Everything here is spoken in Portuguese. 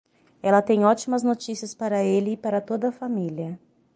Ela tem ótimas notícias para ele e para toda a família.